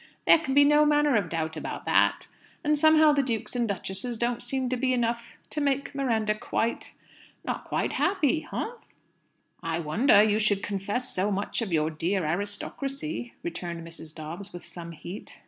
There can be no manner of doubt about that. And somehow the dukes and duchesses don't seem to be enough to make Miranda quite not quite happy, humph?" "I wonder you should confess so much of your dear aristocracy!" returned Mrs. Dobbs with some heat.